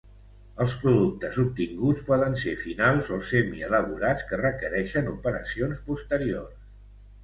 Els productes obtinguts poden ser finals o semielaborats que requereixin operacions posteriors.